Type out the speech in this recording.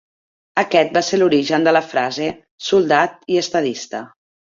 Aquest va ser l'origen de la frase "soldat i estadista".